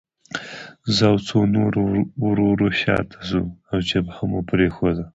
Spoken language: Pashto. زه او څو نور ورو ورو شاته شوو او جبهه مو پرېښوده